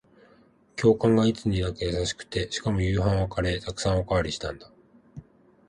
教官がいつになく優しくて、しかも夕飯はカレー。沢山おかわりしたんだ。